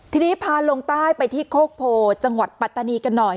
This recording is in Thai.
ทีนี้พาลงใต้ไปที่โคกโพจังหวัดปัตตานีกันหน่อย